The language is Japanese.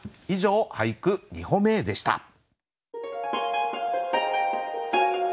以上「俳句、二歩目へ」でした。